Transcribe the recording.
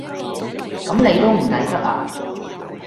咁你都唔抵得呀？